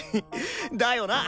だよな！